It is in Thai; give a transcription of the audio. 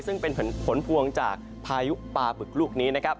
ซึ่งเป็นผลพวงจากพายุปลาบึกลูกนี้นะครับ